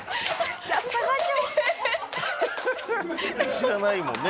知らないもんね